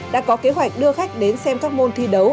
đã có kế hoạch đưa khách đến xem các môn thi đấu